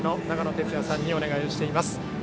長野哲也さんにお願いしています。